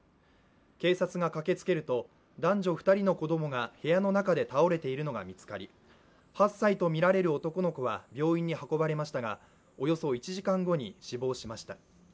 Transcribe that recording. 警察が駆けつけると男女２人の子供が部屋の中で倒れているのが見つかり８歳とみられる男の子は病院に運ばれましたが、およそ１時間後に死亡しました。